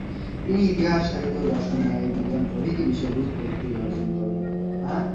তিনি ইতিহাস, সাহিত্য, দর্শন, ন্যায়, বিজ্ঞান প্রভৃতি বিষয়ে ব্যুৎপত্তি অর্জন করেন।